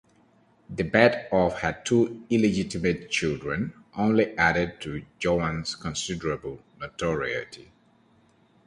The birth of her two illegitimate children only added to Joan's considerable notoriety.